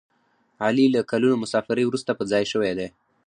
علي له کلونو مسافرۍ ورسته په ځای شوی دی.